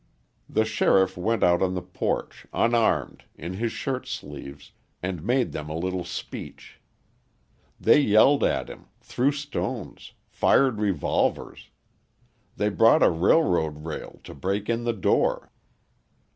The sheriff went out on the porch, unarmed, in his shirt sleeves, and made them a little speech. They yelled at him, threw stones, fired revolvers. They brought a railroad rail to break in the door.